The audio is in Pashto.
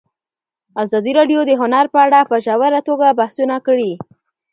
ازادي راډیو د هنر په اړه په ژوره توګه بحثونه کړي.